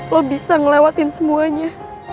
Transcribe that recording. lo bisa ngelewatin semuanya